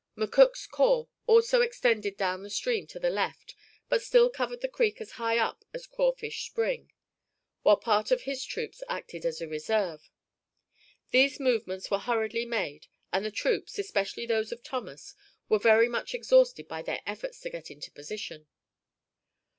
McCook's corps also extended down stream to the left, but still covered the creek as high up as Crawfish Spring, while part of his troops acted as a reserve. These movements were hurriedly made, and the troops, especially those of Thomas, were very much exhausted by their efforts to get into position.